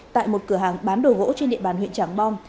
tại một cửa hàng bán đồ gỗ trên địa bàn huyện trảng bom